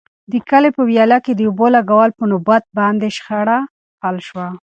د کلي په ویاله کې د اوبو لګولو په نوبت باندې شخړه حل شوه.